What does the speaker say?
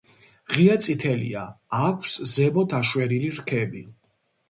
ღია წითელია, აქვს ზემოთ აშვერილი რქები.